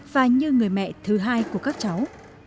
và như người mẹ thứ hai của các cháu